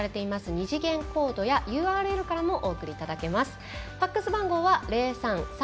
二次元コードやＵＲＬからもお送りいただけます。